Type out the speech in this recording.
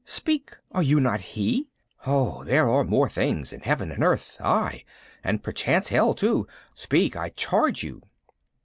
Speak, are you not he? Oh, there are more things in heaven and earth ... aye, and perchance hell too ... Speak, I charge you!"